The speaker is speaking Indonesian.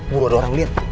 buru ada orang liat